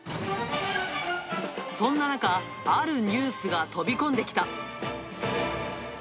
そんな中、あるニュースが飛び込んできた。